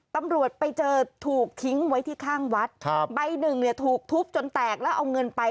ตำรวจไปเจอถูกทิ้งไว้ที่ข้างวัดครับใบหนึ่งเนี่ยถูกทุบจนแตกแล้วเอาเงินไป